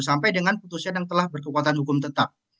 sampai dengan putusan yang telah berkekuatan hukum tetap